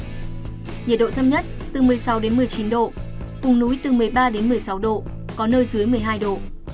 nhiệt độ thâm nhất từ một mươi sáu một mươi chín độ vùng núi từ một mươi ba một mươi sáu độ có nơi dưới một mươi hai độ